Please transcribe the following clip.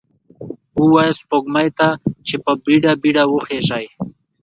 ووایه سپوږمۍ ته، چې په بیړه، بیړه وخیژئ